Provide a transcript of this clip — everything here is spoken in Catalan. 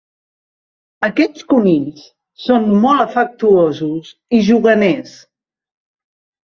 Aquests conills són molt afectuosos i juganers.